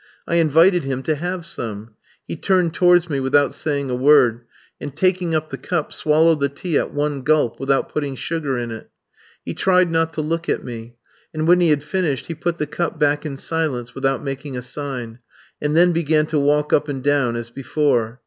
I invited him to have some; he turned towards me without saying a word, and taking up the cup, swallowed the tea at one gulp, without putting sugar in it. He tried not to look at me, and when he had finished he put the cup back in silence without making a sign, and then began to walk up and down as before.